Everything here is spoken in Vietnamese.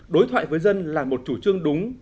đối thoại với dân là một chủ trương đúng